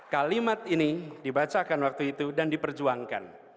kalimat ini dibacakan waktu itu dan diperjuangkan